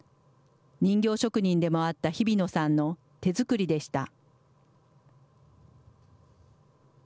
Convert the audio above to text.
人形職人でもあった日比野さんの手作りでした。